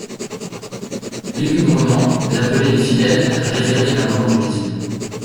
Lugubrement elle appelait les fidèles à révérer la mort de Jésus.